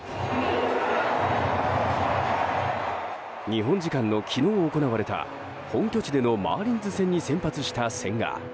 日本時間の昨日行われた本拠地でのマーリンズ戦に先発した千賀。